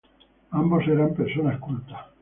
Ambos eran personas cultas.